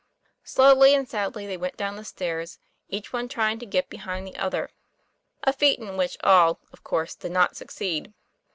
Slowly and sadly they went down the stairs, each one trying to get behind the other, a feat in which 192 TOM PLAYFAIR. all, of course, did not succeed.